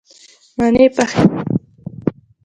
مڼې پخې او یخې شوې وې.